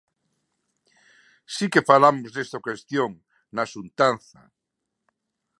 Si que falamos desta cuestión na xuntanza.